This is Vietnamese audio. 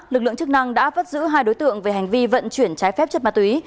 lực lượng chức năng đã bắt giữ hai đối tượng về hành vi vận chuyển trái phép chất ma túy